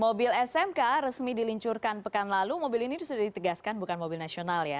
mobil smk resmi diluncurkan pekan lalu mobil ini sudah ditegaskan bukan mobil nasional ya